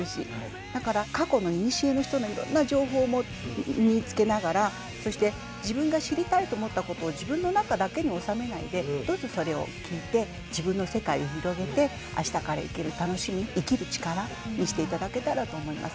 だから過去のいにしえの人のいろんな情報も身につけながらそして自分が知りたいと思ったことを自分の中だけに納めないでどうぞそれを聞いて自分の世界を広げて明日から生きる楽しみ生きる力にして頂けたらと思います。